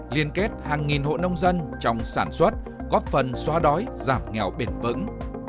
liên kết hàng nghìn hộ nông dân trong sản xuất góp phần xóa đói giảm nghèo bền vững